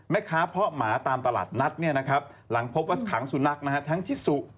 แล้วก็ปล่อยให้โอดข้าวโอดน้ำนะครับจนตรงตัวนี้แห้งตายอยู่